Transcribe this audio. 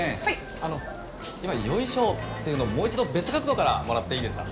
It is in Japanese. あの今「よいしょ」っていうのもう一度別角度からもらっていいですか？